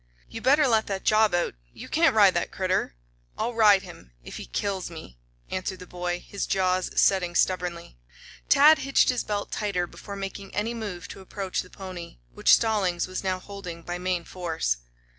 "You better let that job out. You can't ride that critter!" "I'll ride him if he kills me!" answered the boy, his jaws setting stubbornly. Tad hitched his belt tighter before making any move to approach the pony, which Stallings was now holding by main force.